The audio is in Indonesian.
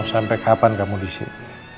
mau sampai kapan kamu disini